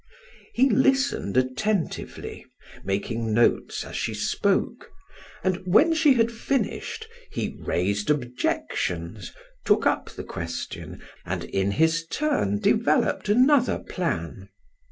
He listened attentively, making notes as she spoke, and when she had finished he raised objections, took up the question and, in his turn, developed another plan.